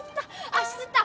足つった！